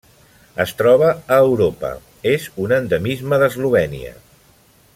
Es troba a Europa: és un endemisme d'Eslovènia.